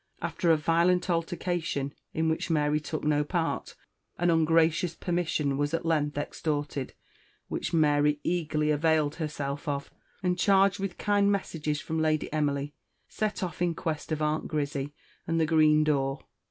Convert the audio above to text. After a violent altercation, in which Mary took no part, an ungracious permission was at length extorted, which Mary eagerly availed herself of; and, charged with kind messages from Lady Emily, set off in quest of Aunt Grizzy and the green door.